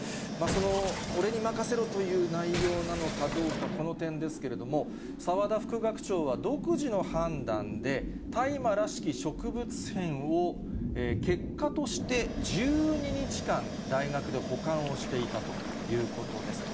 俺に任せろという内容なのかどうか、この点ですけれども、澤田副学長は独自の判断で大麻らしき植物片を結果として１２日間、大学で保管をしていたということです。